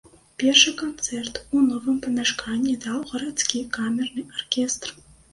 Першы канцэрт у новым памяшканні даў гарадскі камерны аркестр.